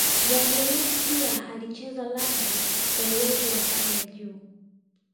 Muogeleaji pia alicheza rugby kwa uwezo wa hali ya juu